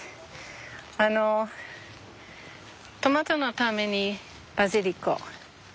あのトマトのためにバジリコ。